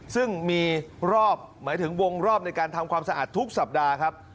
ซึ่งมีรอบหมายถึงวงรอบในการทำความสะอาดทุกสัปดาห์ครับ